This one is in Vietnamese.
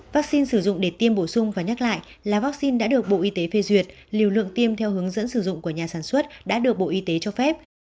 vaccine sử dụng để tiêm bổ sung và nhắc lại là vaccine đã được bộ y tế phê duyệt liều lượng tiêm theo hướng dẫn sử dụng của nhà sản xuất đã được bộ y tế cho phép